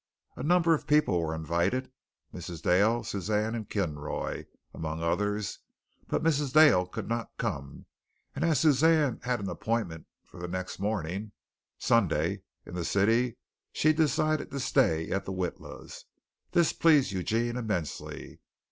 A number of people were invited Mrs. Dale, Suzanne, and Kinroy, among others; but Mrs. Dale could not come, and as Suzanne had an appointment for the next morning, Sunday, in the city, she decided to stay at the Witlas. This pleased Eugene immensely.